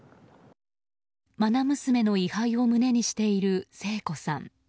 愛娘の位牌を胸にしている聖子さん。